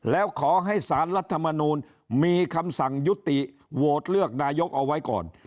แล้วขอให้สารรัฐมนูลมีคำสั่งยุติโหวตเลือกนายกเอาไว้ก่อน